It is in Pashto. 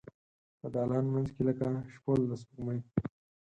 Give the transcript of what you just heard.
د دالان مینځ کې لکه شپول د سپوږمۍ